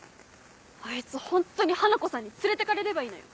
あいつホントに花子さんに連れてかれればいいのよ。